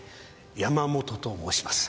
山本と申します。